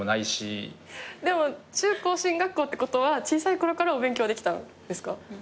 でも中高進学校ってことは小さいころからお勉強はできたんですか？